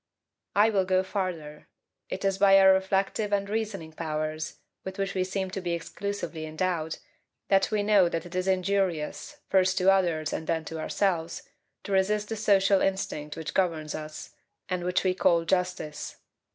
I will go farther. It is by our reflective and reasoning powers, with which we seem to be exclusively endowed, that we know that it is injurious, first to others and then to ourselves, to resist the social instinct which governs us, and which we call JUSTICE.